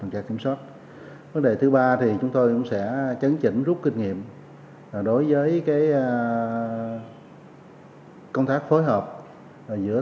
vấn đề thứ ba thì chúng tôi cũng sẽ chấn chỉnh rút kinh nghiệm đối với công tác phối hợp giữa